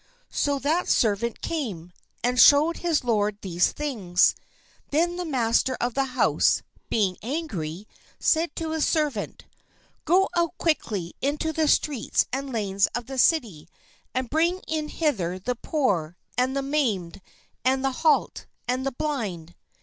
So that servant came, and showed his lord these things. Then the master of the house, being angry, said to his servant: "Go out quickly into the streets and lanes of the city, and bring in hither the poor, and the maimed, and the halt, and the blind."